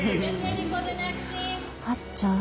はっちゃん。